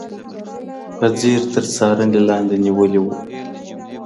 په ځیر تر څارنې لاندې نیولي و.